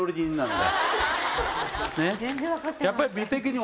やっぱり。